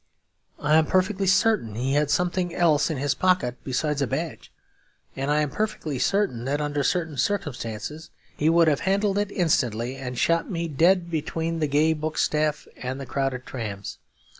I am perfectly certain he had something else in his pocket besides a badge. And I am perfectly certain that under certain circumstances he would have handled it instantly, and shot me dead between the gay bookstall and the crowded trams.